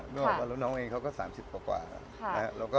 แล้วน้องเองเขาก็๓๐กว่าแล้วก็